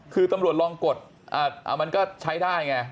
คือตำรวจลองกดมันก็ใช้ได้ไง